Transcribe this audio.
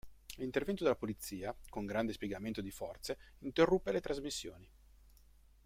L'intervento della polizia, con grande spiegamento di forze, interruppe le trasmissioni.